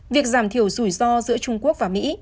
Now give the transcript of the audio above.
việc giảm thiểu rủi ro giữa trung quốc và mỹ